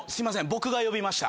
僕が呼びました。